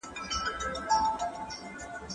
ده عروض او قافيه زده کړي وو